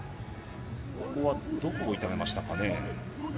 ここはどこを痛めましたかね。